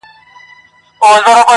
نه د عقل پوهي ګټه را رسېږي٫